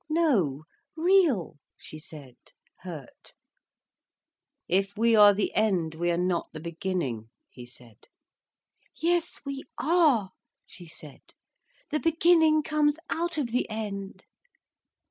"No—real," she said, hurt. "If we are the end, we are not the beginning," he said. "Yes we are," she said. "The beginning comes out of the end."